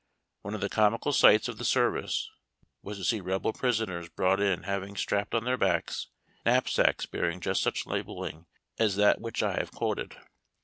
One of the comical sights of the service was to see Rebel prisoners brought in liaving strapped on their backs knapsacks bearing just such label ling as that which I have quoted.